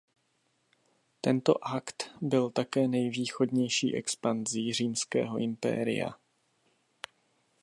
Tento akt byl také nejvýchodnější expanzí římského impéria.